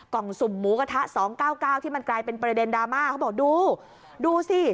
สุ่มหมูกระทะ๒๙๙ที่มันกลายเป็นประเด็นดราม่าเขาบอกดูดูสิ